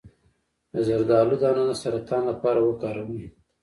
د زردالو دانه د سرطان لپاره وکاروئ